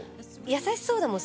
優しそうだもん。